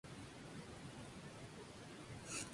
Es el segundo largometraje dirigido por Ray Lawrence.